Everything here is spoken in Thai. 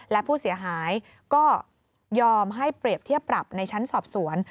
และผู้เสียหายก็ยอมให้เปรียบเทียบปรับในชั้นสอบสวน